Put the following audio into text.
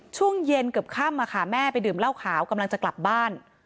ช่วงเย็นเกือบค่ำแม่ไปดื่มเหล้าขาวกำลังจะกลับบ้าน